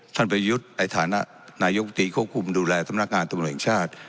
ประยุทธ์ในฐานะนายกตรีควบคุมดูแลสำนักงานตำรวจแห่งชาติ